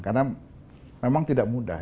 karena memang tidak mudah